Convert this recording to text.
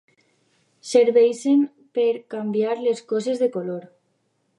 Serveixen per canviar les coses de color.